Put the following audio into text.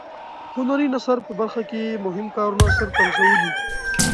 هنري نثر په برخه کې یې مهم کارونه سرته رسولي.